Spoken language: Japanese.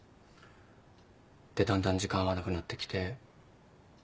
でだんだん時間合わなくなってきて。